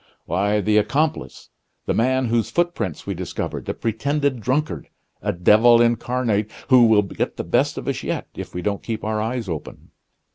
"Why, the accomplice the man whose footprints we discovered the pretended drunkard a devil incarnate, who will get the best of us yet, if we don't keep our eyes open.